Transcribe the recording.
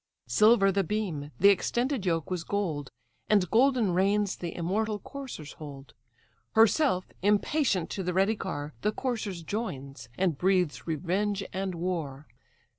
Silver the beam, the extended yoke was gold, And golden reins the immortal coursers hold. Herself, impatient, to the ready car, The coursers joins, and breathes revenge and war.